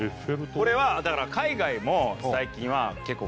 「これはだから海外も最近は結構増えてて」